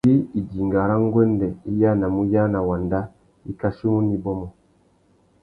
Ngüi idinga râ nguêndê i yānamú uyāna wanda, i kachimú nà ibômô.